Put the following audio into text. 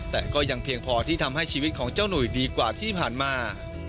แต่ก็ยังเพียงพอที่ทำให้ชีวิตของเจ้าหนุ่ยดีกว่าที่ผ่านมา